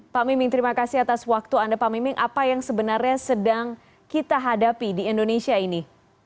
pak miming terima kasih atas waktu anda pak miming apa yang sebenarnya sedang kita hadapi di indonesia ini